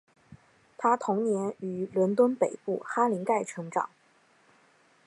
她童年于伦敦北部哈林盖成长。